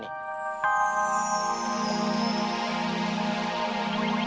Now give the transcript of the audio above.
neng neng ini di rumah